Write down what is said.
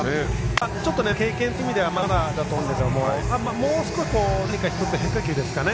ちょっとまだ経験という意味ではまだまだだと思うんですがもう少し何か１つ変化球ですかね